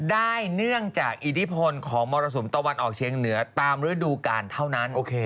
ได้เนื่องจากอิทธิพลของมรสุมตะวันออกเชียงเหนือตามฤดูกาลเท่านั้น